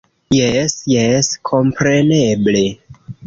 - Jes, jes kompreneble